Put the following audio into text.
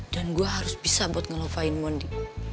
dan gue harus bisa buat ngelupain mondi